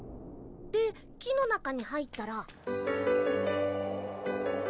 で木の中に入ったら。